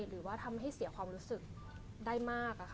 หรือว่าทำให้เสียความรู้สึกได้มาก